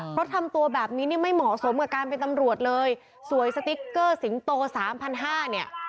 เพราะทำตัวแบบนี้นี่ไม่เหมาะสมกับการเป็นตำรวจเลยสวยสติ๊กเกอร์สิงโตสามพันห้าเนี่ย